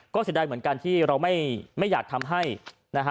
ก็เสียดายเหมือนกันที่เราไม่อยากทำให้นะฮะ